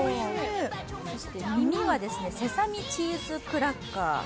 耳はセサミチーズクラッカー。